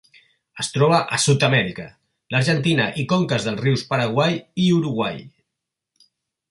Es troba a Sud-amèrica: l'Argentina i conques dels rius Paraguai i Uruguai.